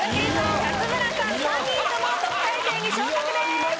勝村さん三人とも特待生に昇格です！